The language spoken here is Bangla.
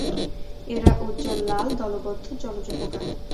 এরা উজ্জ্বল লাল, দলবদ্ধ, জলজ পোকা।